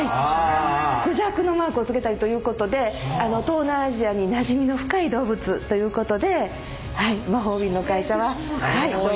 クジャクのマークをつけたりということで東南アジアになじみの深い動物ということで魔法瓶の会社は動物の名前が付いております。